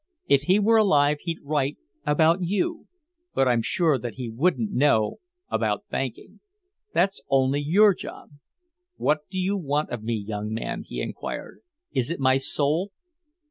If he were alive he'd write about you, but I'm sure that he wouldn't know about banking. That's only your job." "What do you want of me, young man?" he inquired. "Is it my soul?"